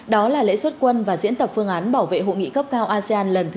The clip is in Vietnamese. đó là lễ xuất quân và diễn tập phương án bảo vệ hội nghị cấp cao asean lần thứ ba mươi